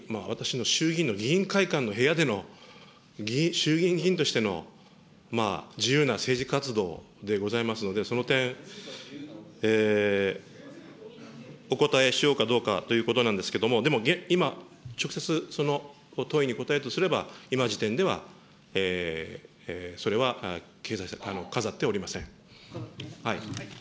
まさに私の衆議院の議員会館の部屋での、衆議院議員としての自由な政治活動でございますので、その点、お答えしようかどうかということなんですけれども、でも、今、直接、その問いに答えるとすれば、今の時点ではそれは飾っておりません。